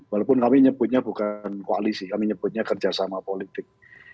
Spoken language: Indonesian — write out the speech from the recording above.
walaupun kami nyebutnya bukan koalisi kami nyebutnya kerjasama politik